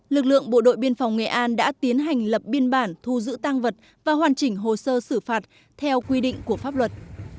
lực lượng bộ đội biên phòng nghệ an đã tiến hành lập biên bản thu giữ tăng vật và hoàn chỉnh hồ sơ xử phạt theo quy định của pháp luật